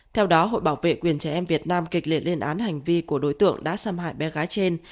theo đó hội bảo vệ quyền trẻ em việt nam kịch liệt lên án hành vi của đối tượng đã xâm hại bé gái trên